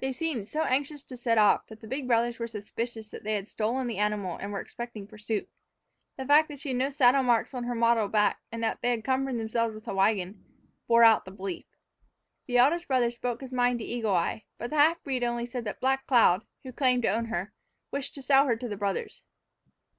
They seemed so anxious to set off that the big brothers were suspicious that they had stolen the animal and were expecting pursuit. The fact that she had no saddle marks on her mottled back, and that they had cumbered themselves with a wagon, bore out the belief. The eldest brother spoke his mind to Eagle Eye, but the half breed only said that Black Cloud, who claimed to own her, wished to sell her to the brothers.